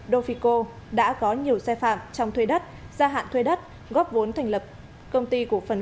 dofico đã có nhiều sai phạm trong thuê đất gia hạn thuê đất góp vốn thành lập công ty của phần